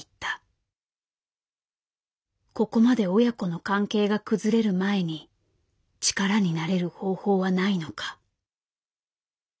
「ここまで親子の関係が崩れる前に力になれる方法はないのか」。